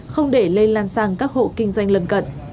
không để lây lan sang các hộ kinh doanh lân cận